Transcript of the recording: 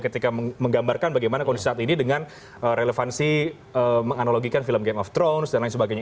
ketika menggambarkan bagaimana kondisi saat ini dengan relevansi menganalogikan film game of thrones dan lain sebagainya